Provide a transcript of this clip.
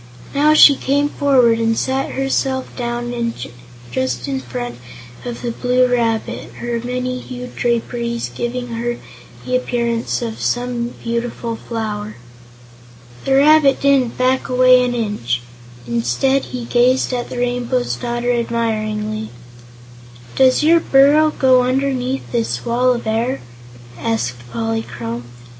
Now she came forward and sat herself down just in front of the Blue Rabbit, her many hued draperies giving her the appearance of some beautiful flower. The rabbit didn't back away an inch. Instead, he gazed at the Rainbow's Daughter admiringly. "Does your burrow go underneath this Wall of Air?" asked Polychrome.